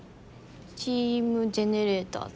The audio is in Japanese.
チーム・ジェネレーターズ。